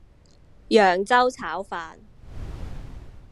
揚州炒飯